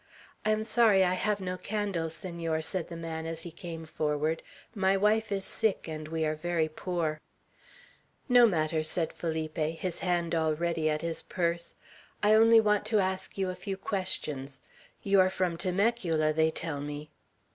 "I am sorry I have no candle, Senor," said the man, as he came forward. "My wife is sick, and we are very poor." "No matter," said Felipe, his hand already at his purse. "I only want to ask you a few questions. You are from Temecula, they tell me."